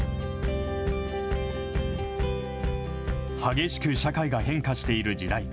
激しく社会が変化している時代。